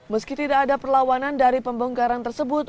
meski tidak ada perlawanan dari pembongkaran tersebut